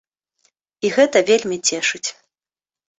І гэта вельмі цешыць.